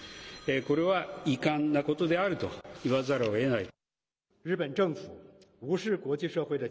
これは遺憾なことであると言わざるをえない。